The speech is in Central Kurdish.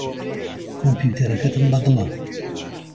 کۆمپیوتەرەکەتم بەدڵە.